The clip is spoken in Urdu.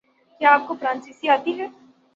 کیا اپ کو فرانسیسی آتی ہے؟